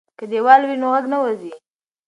که دیوال وي نو غږ نه وځي.